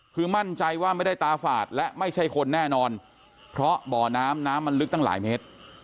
คือมั่นใจว่าไม่ได้ตาฝาดและไม่ใช่คนแน่นอนเพราะบ่อน้ำน้ำมันลึกตั้งหลายเมตร